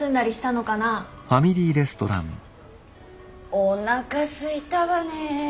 おなかすいたわねえ。